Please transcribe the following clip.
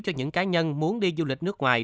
cho những cá nhân muốn đi du lịch nước ngoài